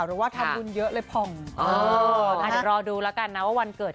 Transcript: หรือว่าทำบุญเยอะเลยผ่องเดี๋ยวรอดูแล้วกันนะว่าวันเกิด